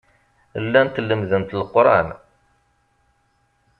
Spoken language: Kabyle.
Llant lemmdent Leqran.